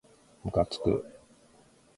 むかつく